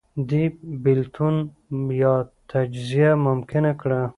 دې بېلتون یا تجزیه ممکنه کړه